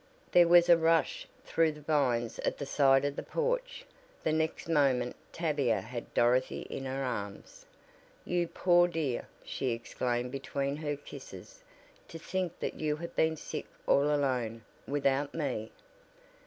There was a rush through the vines at the side of the porch the next moment Tavia had Dorothy in her arms. "You poor dear!" she exclaimed between her kisses. "To think that you have been sick all alone without me!"